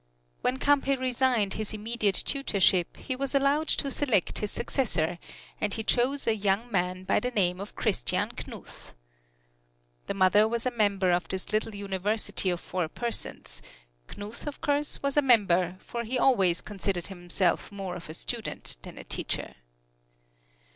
When Campe resigned his immediate tutorship he was allowed to select his successor, and he chose a young man by the name of Christian Knuth. The mother was a member of this little university of four persons; Knuth, of course, was a member, for he always considered himself more of a student than a teacher.